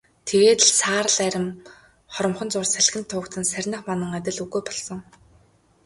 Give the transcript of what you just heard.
Тэгээд л саарал арми хоромхон зуурт салхинд туугдан сарних манан адил үгүй болсон.